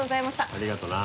ありがとな。